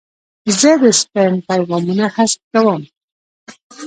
زه د سپیم پیغامونه حذف کوم.